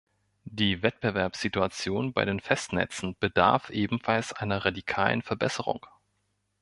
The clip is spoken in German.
Die Wettbewerbssituation bei den Festnetzen bedarf ebenfalls einer radikalen Verbesserung.